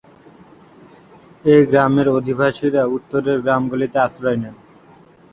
এই গ্রামের অধিবাসীরা উত্তরের গ্রামগুলিতে আশ্রয় নেন।